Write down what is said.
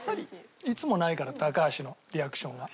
いつもないから高橋のリアクションは。